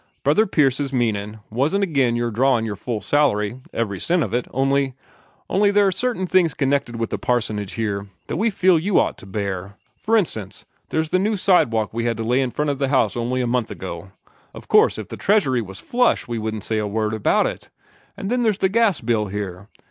Brother Pierce's meanin' wasn't agin your drawin' your full salary, every cent of it, only only there are certain little things connected with the parsonage here that we feel you ought to bear. F'r instance, there's the new sidewalk we had to lay in front of the house here only a month ago. Of course, if the treasury was flush we wouldn't say a word about it. An' then there's the gas bill here.